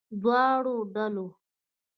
دواړه ډوله